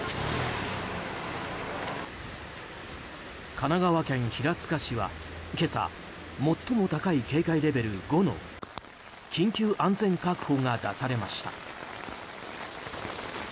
神奈川県平塚市は今朝、最も高い警戒レベル５の緊急安全確保が出されました。